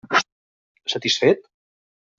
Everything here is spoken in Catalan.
Satisfet?